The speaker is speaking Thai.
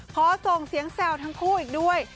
เพาะทรงเสียงแซวทั้งคู่อีกด้วย